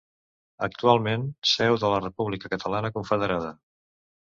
Actualment, seu de la República Catalana Confederada.